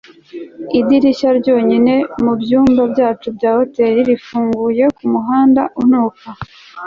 idirishya ryonyine mubyumba byacu bya hoteri rifunguye kumuhanda unuka